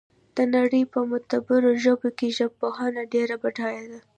د نړۍ په معتبرو ژبو کې ژبپوهنه ډېره بډایه ده